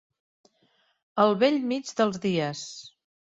Al bell mig dels dies.